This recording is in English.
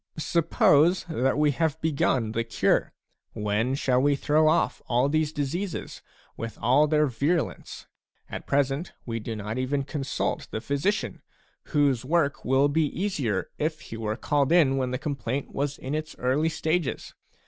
Suppose that we have begun the cure ; when shall we throw off all these diseases, with all their viru lence ? At present, we do not even consult the physician, whose work would be easier if he were called in when the complaint was in its early stages.